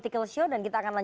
kawan jadi lawan